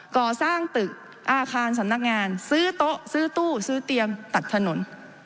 ก่อสร้างตึกอาคารสำนักงานซื้อโต๊ะซื้อตู้ซื้อเตรียมตัดถนน